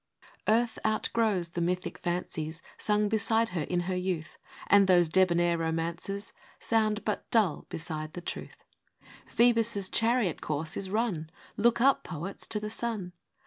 ARTH outgrows the mythic fancies Sung beside her in her youth ; And those debonair romances Sound but dull beside the truth. Phoebus' chariot course is run ! Look up, poets, to the sun